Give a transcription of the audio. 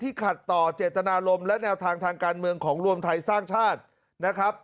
ขัดต่อเจตนารมณ์และแนวทางทางการเมืองของรวมไทยสร้างชาตินะครับ